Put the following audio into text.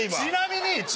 ちなみに！